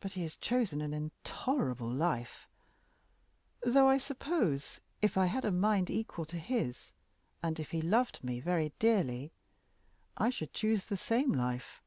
But he has chosen an intolerable life; though I suppose, if I had a mind equal to his, and if he loved me very dearly, I should choose the same life."